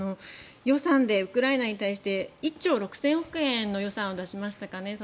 予算でウクライナに対して１兆６０００億円の予算を出しましたかね。